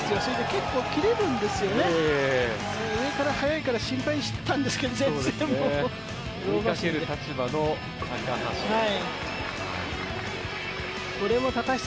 結構切れるんですよね、上から速いから心配してたんですけど追いかける立場の高橋。